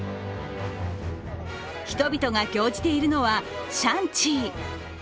人々が興じているのはシャンチー。